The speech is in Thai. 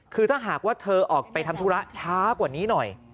คือถ้าหากว่าเธอออกไปทำธุระช้ากว่านี้หน่อย